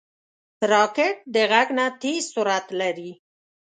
راکټ د غږ نه تېز سرعت لري